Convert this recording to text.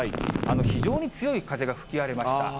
非常に強い風が吹き荒れました。